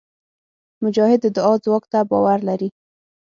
مجاهد د دعا ځواک ته باور لري.